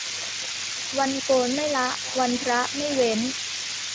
วันโกนไม่ละวันพระไม่เว้น